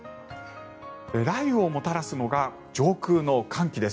雷雨をもたらすのが上空の寒気です。